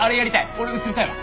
俺映りたいわ。